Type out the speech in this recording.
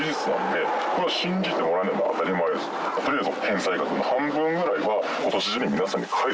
取りあえず。